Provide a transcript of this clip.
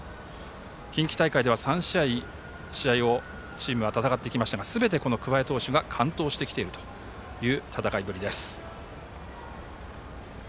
近畿大会では３試合をチームは戦ってきましたがすべて桑江投手が完投してきている戦いぶりです。